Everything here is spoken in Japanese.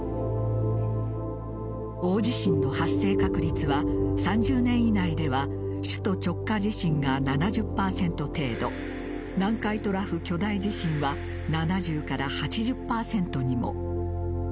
大地震の発生確率は３０年以内では首都直下地震が７０％程度南海トラフ巨大地震は７０８０％にも。